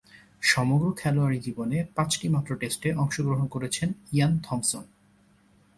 সমগ্র খেলোয়াড়ী জীবনে পাঁচটিমাত্র টেস্টে অংশগ্রহণ করেছেন ইয়ান থমসন।